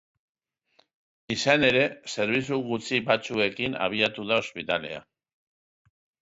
Izan ere, zerbitzu gutxi batzuekin abiatu da ospitalea.